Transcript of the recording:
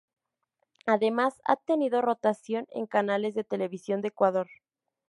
Además, ha tenido rotación en canales de televisión de Ecuador.